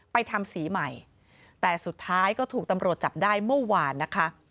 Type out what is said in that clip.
ไปทำสีใหม่แต่สุดท้ายก็ถูกตำรวจจับได้เมื่อวานนะคะ